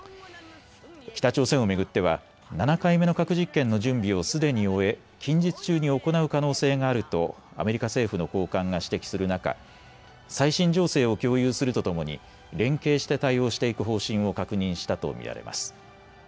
北朝鮮を巡っては７回目の核実験の準備をすでに終え近日中に行う可能性があるとアメリカ政府の高官が指摘する中、最新情勢を共有するとともに連携して対応していく方針を確認したと見られます。